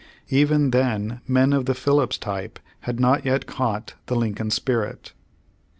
Even then men of the Phillips type had not yet caught the Lincoln spirit.